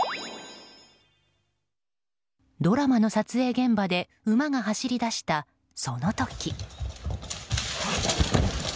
ドラマの撮影現場で馬が走り出したその時。